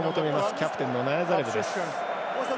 キャプテンのナヤザレブです。